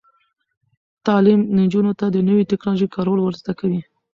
تعلیم نجونو ته د نوي ټیکنالوژۍ کارول ور زده کوي.